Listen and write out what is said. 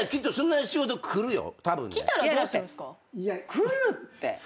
来るって！